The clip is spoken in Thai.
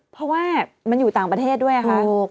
เพราะว่ามันอยู่ต่างประเทศด้วยค่ะ